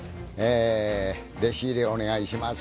「弟子入りお願いします」